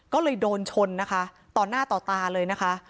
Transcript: ก็เลยโดนชนนะคะต่อหน้าต่อตาเลยนะคะ